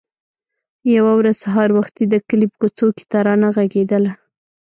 يوه ورځ سهار وختي د کلي په کوڅو کې ترانه غږېدله.